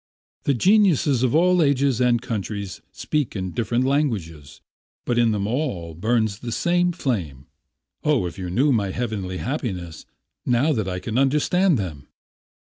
The geniuses of all ages and countries speak in different languages; but in them all burns the same flame. Oh, if you knew my heavenly happiness now that I can understand them!"